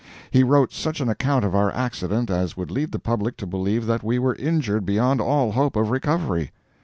He wrote such an account of our accident as would lead the public to believe that we were injured beyond all hope of recovery.